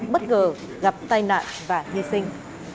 bất ngờ gặp tai nạn và hy sinh